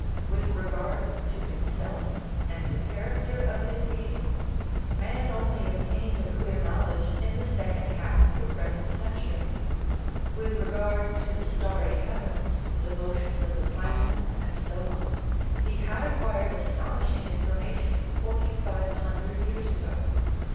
With regard to himself and the character of his being man only ob tained a clear knowledge in the second half of the pres ent century ; with regard to the starry heavens, the mo tions of the planets, and so on, he had acquired aston ishing information forty five hundred years ago.